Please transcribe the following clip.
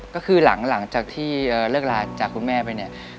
ก็คือหลังจากที่เลิกลาจากคุณแม่ไปเนี่ย